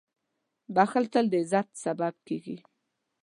• بښل تل د عزت سبب کېږي.